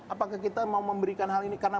apakah kita mau memberikan hal ini karena